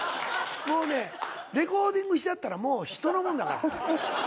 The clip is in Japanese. もうねレコーディングしちゃったら人のもんだから。